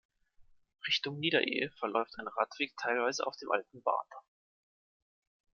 Richtung Niederehe verläuft ein Radweg teilweise auf dem alten Bahndamm.